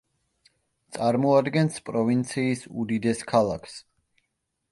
წარმოადგენს პროვინციის უდიდეს ქალაქს.